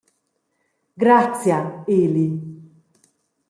Grazia, Eli.